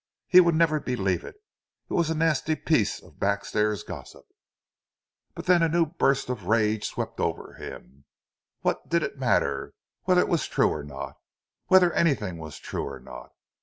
He would never believe it—it was a nasty piece of backstairs gossip! But then a new burst of rage swept over him What did it matter Whether it was true or not—whether anything was true or not?